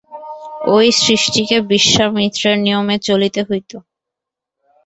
ঐ সৃষ্টিকে বিশ্বামিত্রের নিয়মে চলিতে হইত।